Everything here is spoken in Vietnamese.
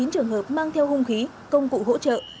một mươi chín trường hợp mang theo hung khí công cụ hỗ trợ